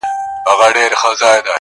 o چي نه کوي الله، څه به وکي خوار ملا.